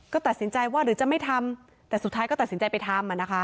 ก็ตัดสินใจว่าหรือจะไม่ทำแต่สุดท้ายก็ตัดสินใจไปทำ